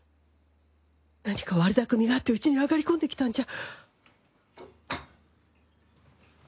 なにか悪だくみがあってうちに上がりこんできたんじゃ